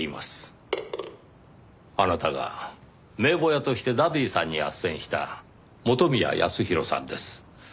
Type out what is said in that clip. あなたが名簿屋としてダディさんに斡旋した元宮康宏さんです。